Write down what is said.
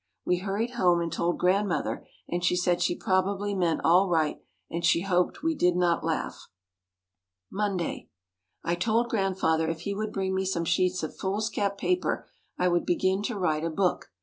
We hurried home and told Grandmother and she said she probably meant all right and she hoped we did not laugh. Monday. I told Grandfather if he would bring me some sheets of foolscap paper I would begin to write a book.